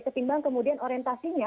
ketimbang kemudian orientasinya